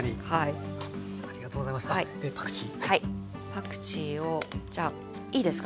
パクチーをじゃあいいですか？